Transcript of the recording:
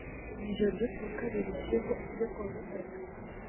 mu ijoro ryo ku wa Kabiri rishyira iryo ku wa Gatatu